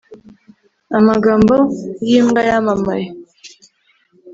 amagambo yimbwa yamamaye